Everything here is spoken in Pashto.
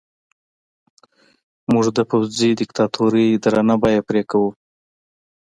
موږ د پوځي دیکتاتورۍ درنه بیه پرې کوو.